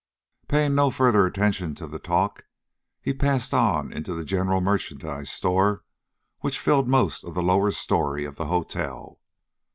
Paying no further attention to the talk, he passed on into the general merchandise store which filled most of the lower story of the hotel.